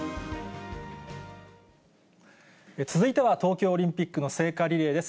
続いては東京オリンピックの聖火リレーです。